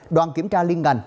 đoàn kiểm tra liên ngành